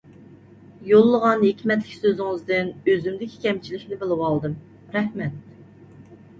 يوللىغان ھېكمەتلىك سۆزىڭىزدىن ئۆزۈمدىكى كەمچىلىكنى بىلىۋالدىم، رەھمەت.